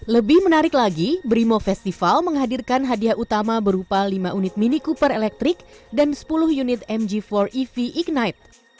lebih menarik lagi brimo festival menghadirkan hadiah utama berupa lima unit mini cooper elektrik dan sepuluh unit mg empat ev ignight